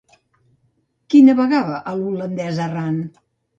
Qui navegava a l'Holandès errant?